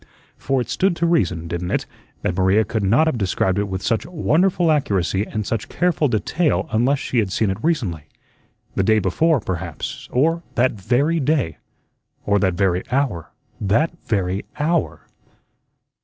For it stood to reason, didn't it, that Maria could not have described it with such wonderful accuracy and such careful detail unless she had seen it recently the day before, perhaps, or that very day, or that very hour, that very HOUR?